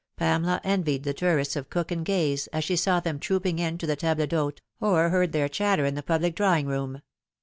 Pamela envied the tourists of Cook and Gaze, as she saw them trooping in to the table d'hote, or heard their chatter in the public drawing room.